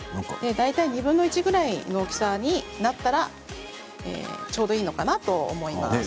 大体２分の１くらいの大きさになったらちょうどいいのかなと思います。